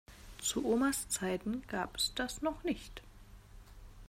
Zu Omas Zeiten gab es das noch nicht.